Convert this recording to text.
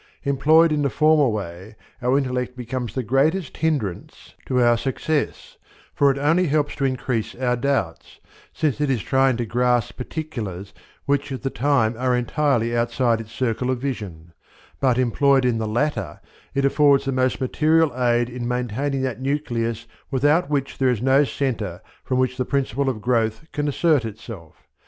Employed in the former way our intellect becomes the greatest hindrance to our success, for it only helps to increase our doubts, since it is trying to grasp particulars which, at the time are entirely outside its circle of vision; but employed in the latter it affords the most material aid in maintaining that nucleus without which there is no centre from which the principle of growth can assert itself.